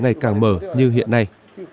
ngày càng mở như hiện nay